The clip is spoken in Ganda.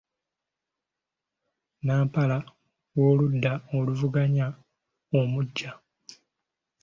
Nnampala w’oludda oluvuganya omuggya.